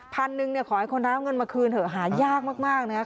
พันหนึ่งเนี่ยขอให้คนร้ายเอาเงินมาคืนเถอะหายากมากนะครับ